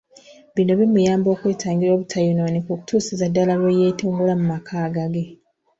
Bino bimuyamba okwetangira obutayonooneka okutuusiza ddala lwe yeetongola mu maka agage.